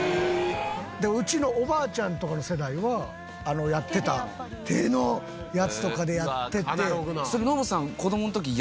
うちのおばあちゃんとかの世代はやってた手のやつとかでやってて。